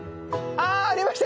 ありました。